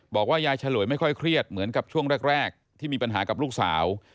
บอกว่ายายฉลวยไม่ค่อยเครียดเหมือนกับช่วงแรกที่มีปัญหากับลูกสาว